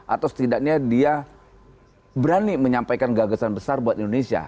atau setidaknya dia berani menyampaikan gagasan besar buat indonesia